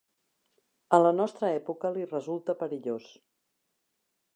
A la nostra època li resulta perillós.